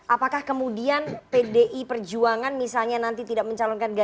apakah kemudian pdi perjuangan misalnya nanti tidak mencalonkan ganjar